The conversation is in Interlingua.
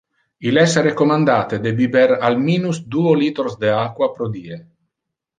Il es recommendate de biber al minus duo litros de aqua pro die.